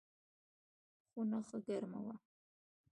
خونه ښه ګرمه وه.